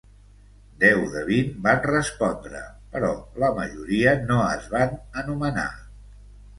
Deu de vint van respondre, però la majoria no es van anomenar.